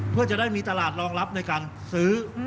เพื่อจะได้มีตลาดรองรับในการซื้อ